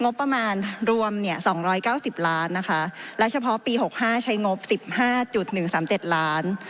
งบประมาณรวมเนี่ยสองร้อยเก้าสิบล้านนะคะและเฉพาะปีหกห้าใช้งบสิบห้าจุดหนึ่งสามเจ็ดล้าน